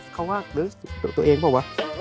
เขาว่าตัวเองบอกว่า